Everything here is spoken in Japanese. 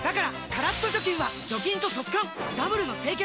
カラッと除菌は除菌と速乾ダブルの清潔！